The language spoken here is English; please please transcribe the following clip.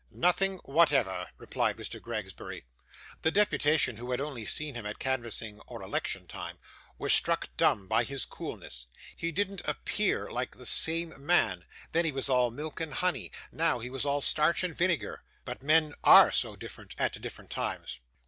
'Nothing whatever,' replied Mr. Gregsbury. The deputation, who had only seen him at canvassing or election time, were struck dumb by his coolness. He didn't appear like the same man; then he was all milk and honey; now he was all starch and vinegar. But men ARE so different at different times!